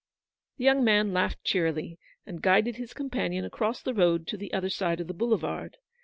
The young man laughed cheerily, and guided his companion across the road to the other side of the boulevard.